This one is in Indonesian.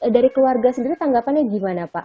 dari keluarga sendiri tanggapannya gimana pak